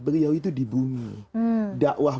beliau itu di bumi dakwah